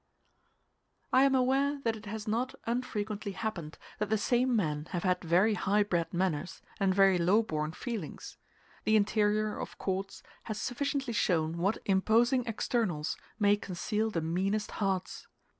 I am aware that it has not unfrequently happened that the same men have had very high bred manners and very low born feelings: the interior of courts has sufficiently shown what imposing externals may conceal the meanest hearts.